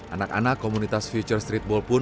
anak anak komunitas future streetball pun